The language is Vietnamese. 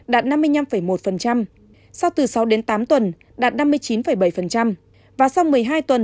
đạt năm mươi năm một sau từ sáu đến tám tuần đạt năm mươi chín bảy và sau một mươi hai tuần